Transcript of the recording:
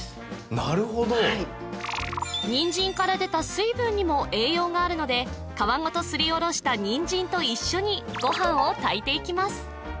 なるほど人参から出た水分にも栄養があるので皮ごとすり下ろした人参と一緒にごはんを炊いていきます